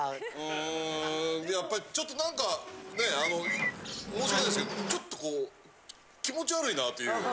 うんやっぱりちょっと何かね申し訳ないですけどちょっとこう。という。